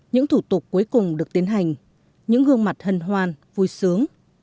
những thủ tục cuối cùng được tiến hành những gương mặt hân hoan vui sướng